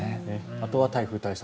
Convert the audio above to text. あとは台風対策